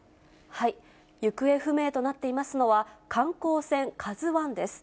行方不明となっていますのは、観光船カズワンです。